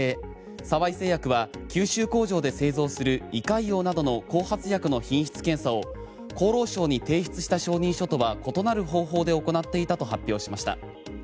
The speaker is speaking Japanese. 沢井製薬は九州工場で製造する胃潰瘍などの後発薬の品質検査を厚労省に提出した承認書とは異なる方法で行っていたと発表しました。